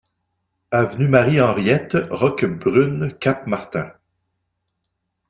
Avenue Marie Henriette, Roquebrune-Cap-Martin